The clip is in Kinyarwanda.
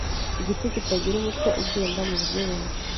Igiti kitagira umutwe ugenda muburyo bumwe